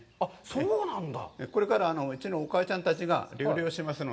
そうなんだ。